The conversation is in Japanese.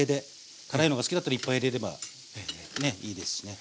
辛いのが好きだったらいっぱい入れればねいいですしね。